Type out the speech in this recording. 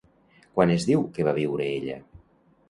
Quan es diu que va viure ella?